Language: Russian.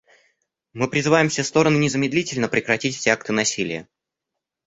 Мы призываем все стороны незамедлительно прекратить все акты насилия.